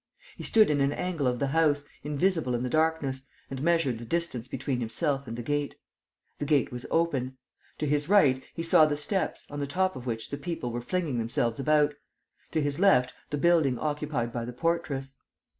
He stood in an angle of the house, invisible in the darkness, and measured the distance between himself and the gate. The gate was open. To his right, he saw the steps, on the top of which the people were flinging themselves about; to his left, the building occupied by the portress.